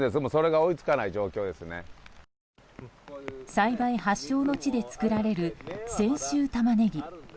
栽培発祥の地で作られる泉州玉ねぎ。